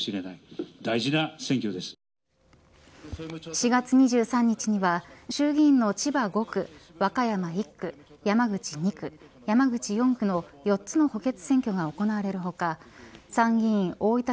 ４月２３日には衆議院の千葉５区和歌山１区、山口２区山口４区の４つの補欠選挙が行われる他参議院大分